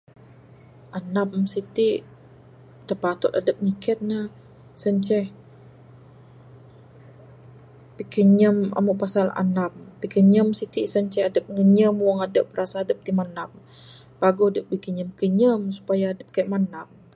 Andam siti da patut adep nyiken ne. Sien ceh pinkinyem amu pasal andam. Pinkinyem siti sien ceh adep nginyem wang adep rasa dep ti mandam . Paguh adep ti bikinyem kinyem supaya adep kaik mandam.